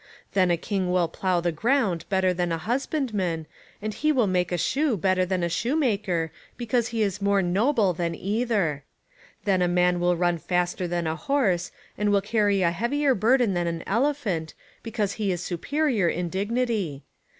Then a king will plow the ground better than a husbandman, and he will make a shoe better than a shoe maker, because he is more noble than either ! Then a man will run faster than a horse, and will carry a heavier burden than an elephant, because he is superior in dignity